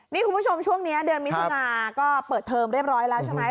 นี่คุณผู้ชมช่วงนี้เดือนมิถุนาก็เปิดเทอมเรียบร้อยแล้วใช่ไหม